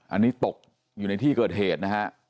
อันนี้ตกอยู่ในที่เกิดเหตุนะฮะ